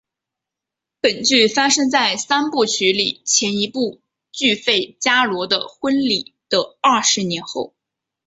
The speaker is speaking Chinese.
本剧发生在三部曲里前一部剧费加罗的婚礼的二十年后。